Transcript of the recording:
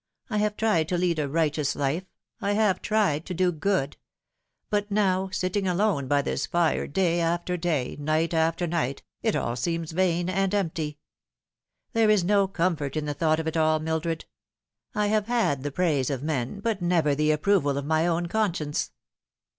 I have tried to lead a righteous lif e. I have tried to do good ; but now sitting alone by this fire day after day, night after night, it all seems vain and empty. There is no comfort in the thought of it all, Mildred. I have had the praise of men, but never the approval of my own conscience."